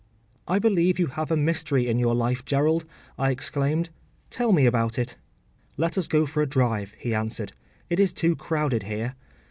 ‘I believe you have a mystery in your life, Gerald,’ I exclaimed; ‘tell me about it.’ ‘Let us go for a drive,’ he answered, ‘it is too crowded here.